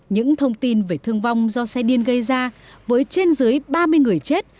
những thông tin về thương vong do xe điên gây ra với trên dưới ba mươi người chết